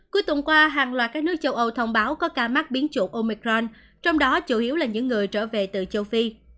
cuối tuần qua hàng loạt các nước châu âu thông báo có ca mắc biến chủng omicron trong đó chủ yếu là những người trở về từ châu phi